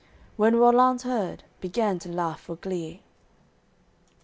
When Rollanz heard, began to laugh for glee.